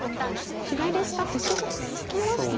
左下星ツケましたね。